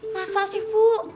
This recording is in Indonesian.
masa sih bu